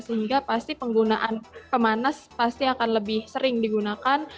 sehingga pasti penggunaan pemanas pasti akan lebih sering digunakan